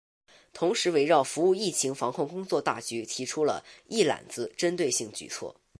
同时围绕服务疫情防控工作大局提出了“一揽子”针对性举措